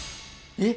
えっ！